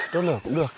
đốt lửa cũng được